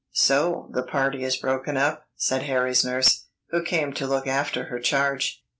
"So the party is broken up," said Harry's nurse, who came to look after her charge.